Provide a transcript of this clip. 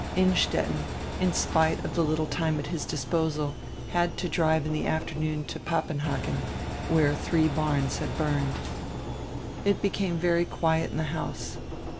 Innstetten, in spite of die little time at his disposal, had to drive in die afternoon to Papenhagen, where diree barns had burned. It became very quiet in die house.